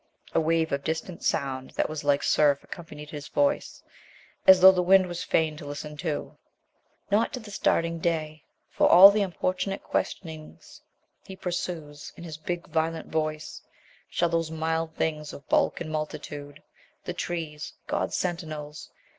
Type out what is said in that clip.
A wave of distant sound that was like surf accompanied his voice, as though the wind was fain to listen too: Not to the staring Day, For all the importunate questionings he pursues In his big, violent voice, Shall those mild things of bulk and multitude, The trees God's sentinels